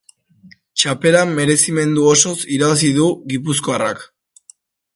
Txapela merezimendu osoz irabazi du gipuzkoarrak.